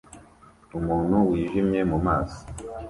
Umuntu wijimye mu maso